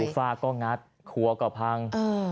ฝ้าก็งัดครัวก็พัง